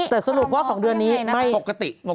แต่สรุปว่าของเดือนนี้ไม่ปกติ